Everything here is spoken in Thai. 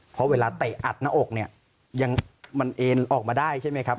เพราะเวลาเตะอัดหน้าอกเนี่ยยังมันเอ็นออกมาได้ใช่ไหมครับ